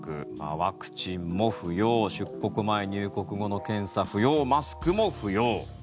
ワクチンも不要出国前・入国後の検査不要マスクも不要。